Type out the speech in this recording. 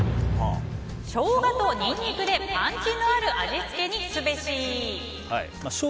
ショウガとニンニクでパンチのある味付けにすべし。